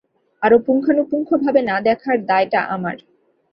আরো পঙ্খানুপুঙ্খভাবে না দেখার দায়টা আমার।